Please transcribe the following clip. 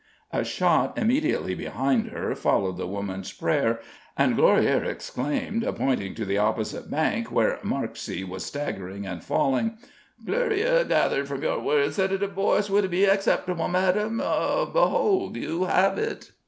A shot immediately behind her followed the woman's prayer, and Glorieaux exclaimed, pointing to the opposite bank, where Marksey was staggering and falling: "Glorieaux gathered from your words that a divorce would be acceptable, madame. Behold, you have it!"